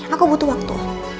aku butuh waktu